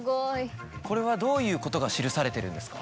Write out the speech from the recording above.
これはどういうことが記されてるんですか？